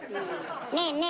ねえねえ